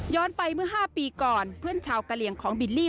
ไปเมื่อ๕ปีก่อนเพื่อนชาวกะเหลี่ยงของบิลลี่